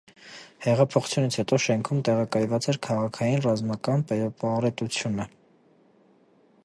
Հեղափոխությունից հետո շենքում տեղակայված էր քաղաքային ռազմական պարետությունը։